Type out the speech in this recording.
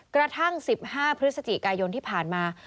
กระทั่ง๑๕พฤศจิกายนที่ผ่านมา